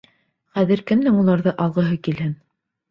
Хәҙер кемдең уларҙы алғыһы килһен?